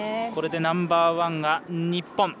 これでナンバーワンは日本。